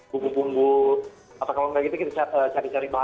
buku buku atau kalau nggak gitu kita cari cari bahan bahannya yang